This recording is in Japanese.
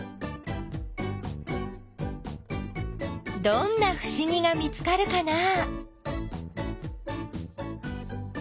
どんなふしぎが見つかるかな？